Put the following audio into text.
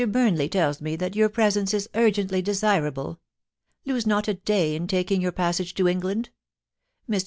Burnley tells me that your presence is urgently desirable. Lose not a day in taking your passage to England. Mr.